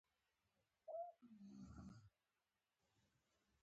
فوټبال هم مینه وال لري.